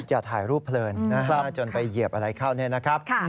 จะถ่ายรูปเพลินจนไปเหยียบอะไรเข้าเนี่ยนะครับ